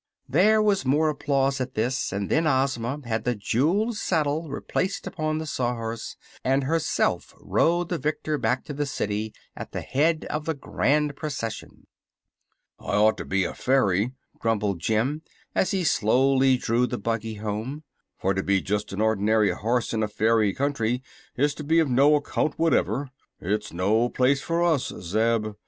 There was more applause at this, and then Ozma had the jewelled saddle replaced upon the Sawhorse and herself rode the victor back to the city at the head of the grand procession. "I ought to be a fairy," grumbled Jim, as he slowly drew the buggy home; "for to be just an ordinary horse in a fairy country is to be of no account whatever. It's no place for us, Zeb."